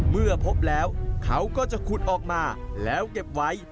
เมื่อพบแล้วเขาก็จะขุดออกมาแล้วเก็บไว้